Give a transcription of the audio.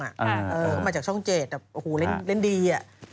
เข้ามาจากช่องเจแต่เล่นดี